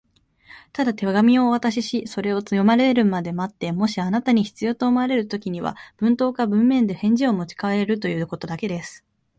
「ただ手紙をお渡しし、それを読まれるまで待って、もしあなたに必要と思われるときには、口頭か文面で返事をもちかえるということだけです」